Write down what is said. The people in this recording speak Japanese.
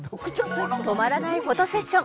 「止まらないフォトセッション。